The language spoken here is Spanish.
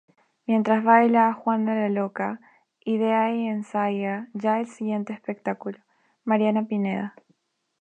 Mientras baila "Juana la loca", idea y ensaya ya el siguiente espectáculo, "Mariana Pineda".